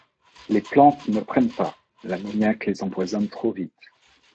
Les plantes ne prennent pas, l'ammoniac les empoisonne trop vite.